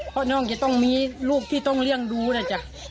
เพราะน้องจะต้องมีลูกที่ต้องเลี้ยงดูนะจ๊ะ